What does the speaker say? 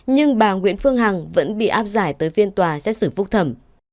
nhưng bà nguyễn phương hằng vẫn bị áp giải tới phiên tòa xét xử phúc thẩm